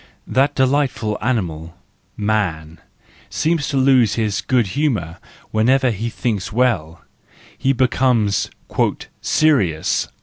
That delightful animal, man, seems to lose his good humour whenever he thinks well; he becomes " serious